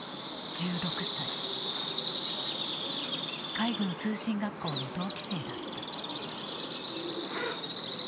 海軍通信学校の同期生だった。